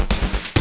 gak ada apa apa